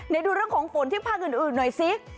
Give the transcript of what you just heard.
เดี๋ยวดูเรื่องของฝนที่ภาคอื่นหน่อยสิ